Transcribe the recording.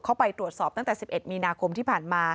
เข้าไปตรวจสอบตั้งแต่๑๑มีนาคมที่ผ่านมา